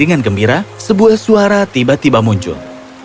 dengan gembira sebuah suara tiba tiba muncul